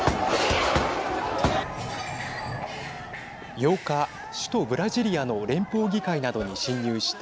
８日、首都ブラジリアの連邦議会などに侵入した